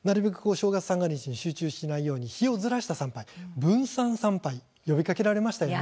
正月三が日に集中しないように日をずらした参拝、「分散参拝」呼びかけられましてね。